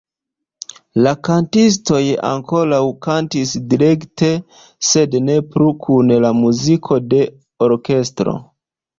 La kantistoj ankoraŭ kantis direkte sed ne plu kun la muziko de orkestro.